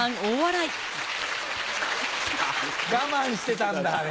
我慢してたんだね。